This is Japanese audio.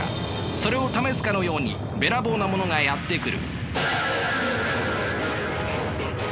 それを試すかのようにべらぼうなものがやって来る。